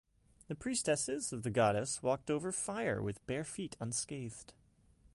The priestesses of the goddess walked over fire with bare feet unscathed.